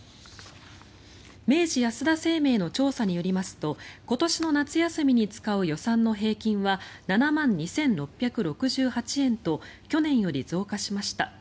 明治安田生命の調査によりますと今年の夏休みに使う予算の平均は７万２６６８円と去年より増加しました。